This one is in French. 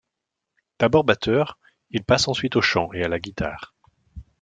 D'abord batteur, il passe ensuite au chant et à la guitare.